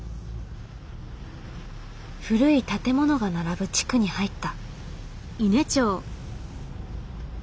古い建物が並ぶ地区に入った。